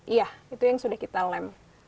iya itu yang sudah kita lem